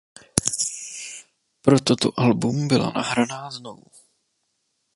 Pro toto album byla nahraná znovu.